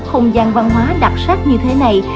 không gian văn hóa đặc sắc như thế này